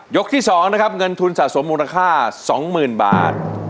ที่๒นะครับเงินทุนสะสมมูลค่า๒๐๐๐บาท